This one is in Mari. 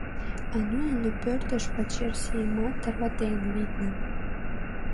А нунын у пӧртышт пачер сийымат тарватен, витне.